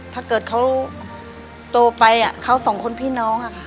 ถ้าเกิดเขาโตไปเขาสองคนพี่น้องอะค่ะ